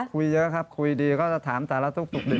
คุยเยอะครับคุยดีก็จะถามสารสุขดึง